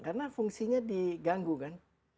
karena fungsinya diganggu kan